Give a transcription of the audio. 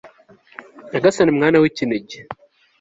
nyagasani mwana w'ikinege